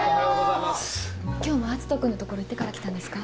今日も篤斗君の所行ってから来たんですか？